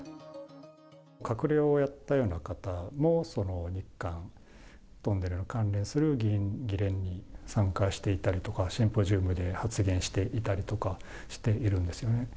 閣僚をやったような方も日韓トンネルに関連する議連に参加していたりとか、シンポジウムで発言したりとかしているんですね。